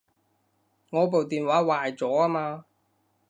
我部電話壞咗吖嘛